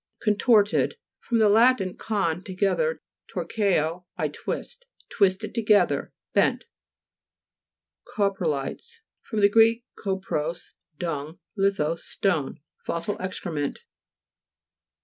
CONTO'RTED fr. lat. con, together, torqueo, I twist. Twisted together ; bent. CO'PROLITES fr. gr. kopros, dung, lithos, stone. Fossil excrement (p. 44).